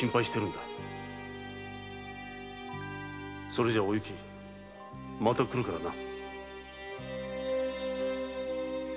それではお雪また来るからな。